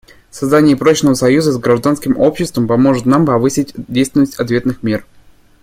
Создание прочного союза с гражданским обществом поможет нам повысить действенность ответных мер.